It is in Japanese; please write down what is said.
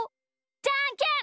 じゃんけん。